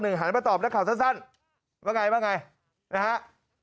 หันมาตอบนักข่าวสั้นว่าไงว่าไงนะฮะ